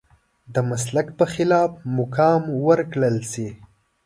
د مسلک په خلاف مقام ورکړل شي.